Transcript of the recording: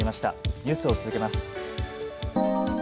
ニュースを続けます。